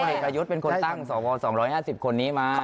เอกประยุทธ์เป็นคนตั้งสว๒๕๐คนนี้มา